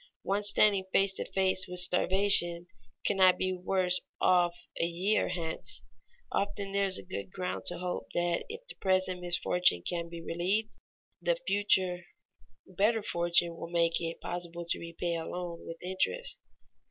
One standing face to face with starvation cannot be worse off a year hence; often there is good ground to hope that if the present misfortune can be relieved, the future better fortune will make it possible to repay a loan with interest.